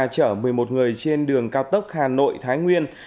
chở một mươi một người trên đường cao tốc hà nội thái nguyên